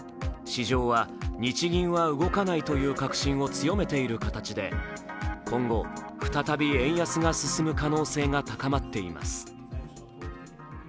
市場は、日銀は動かないという確信を強めている形で今後、再び円安が進む可能性が高まっています。